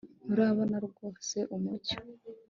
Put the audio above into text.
turabona rwose umucyo